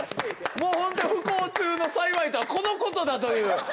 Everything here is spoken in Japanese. もう本当に不幸中の幸いとはこのことだという。